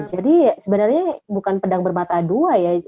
jadi sebenarnya bukan pedang bermata dua ya